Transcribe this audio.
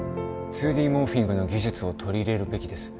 「２Ｄモーフィングの技術を取り入れるべきです」